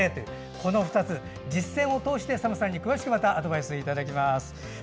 この２つ、実践を通してＳＡＭさんに詳しくまたアドバイスをいただきます。